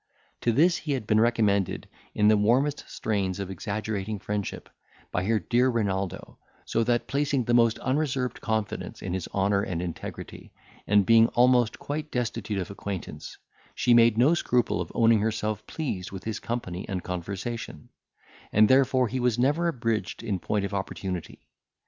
To this he had been recommended, in the warmest strain of exaggerating friendship, by her dear Renaldo; so that, placing the most unreserved confidence in his honour and integrity, and being almost quite destitute of acquaintance, she made no scruple of owning herself pleased with his company and conversation; and therefore he was never abridged in point of opportunity.